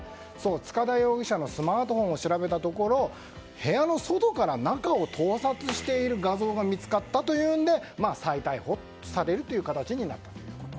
塚田容疑者のスマートフォンを調べたところ、部屋の外から中を盗撮している画像が見つかったというので再逮捕される形になったということ。